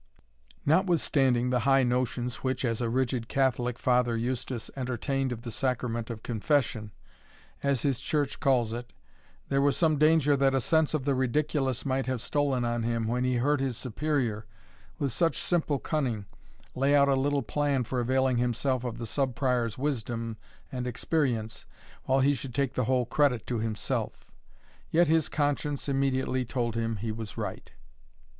Notwithstanding the high notions which, as a rigid Catholic, Father Eustace entertained of the sacrament of confession, as his Church calls it, there was some danger that a sense of the ridiculous might have stolen on him, when he heard his Superior, with such simple cunning, lay out a little plan for availing himself of the Sub Prior's wisdom and experience, while he should take the whole credit to himself. Yet his conscience immediately told him he was right.